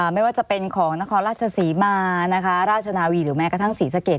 ไม่ว่าจะเป็นของนครราชศรีมานะคะราชนาวีหรือแม้กระทั่งศรีสะเกด